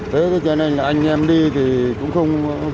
thế cho nên là anh em đi thì cũng không thu hoạch được bao nhiêu cả